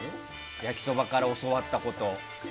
焼きそばから教わったこと。